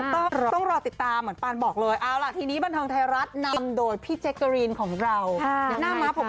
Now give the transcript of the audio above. ต้องรอดูเลยนะเรื่องนี้